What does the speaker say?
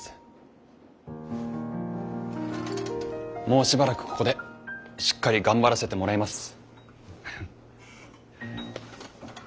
もうしばらくここでしっかり頑張らせてもらいます。